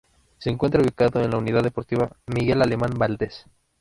Se encuentra ubicado en la unidad deportiva Miguel Alemán Valdez.